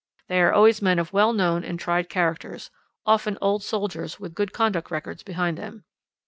They are always men of well known and tried characters, often old soldiers with good conduct records behind them.